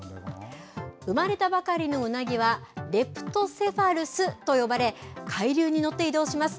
生まれたばかりのウナギは、レプトセファルスと呼ばれ、海流に乗って移動します。